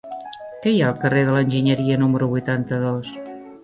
Què hi ha al carrer de l'Enginyeria número vuitanta-dos?